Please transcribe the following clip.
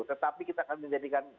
tetapi kita akan menjadikan